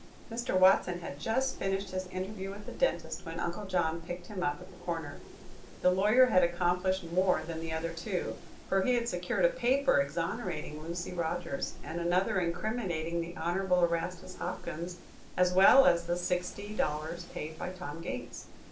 Mr. Watson had just finished his interview with the dentist when Uncle John picked him up at the corner. The lawyer had accomplished more than the other two, for he had secured a paper exonerating Lucy Rogers and another incriminating the Honorable Erastus Hopkins, as well as the sixty dollars paid by Tom Gates.